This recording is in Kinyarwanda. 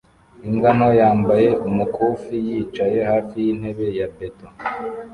Imbwa nto yambaye umukufi yicaye hafi y'intebe ya beto